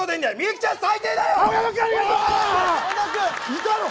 ⁉いたの？